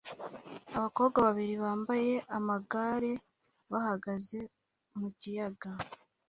Abakobwa babiri bambaye amagare bahagaze mu kiyaga